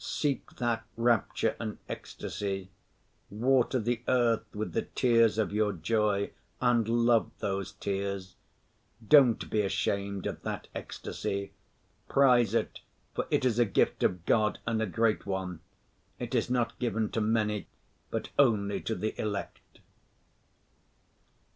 Seek that rapture and ecstasy. Water the earth with the tears of your joy and love those tears. Don't be ashamed of that ecstasy, prize it, for it is a gift of God and a great one; it is not given to many but only to the elect.